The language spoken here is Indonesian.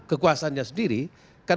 kekuasanya sendiri kan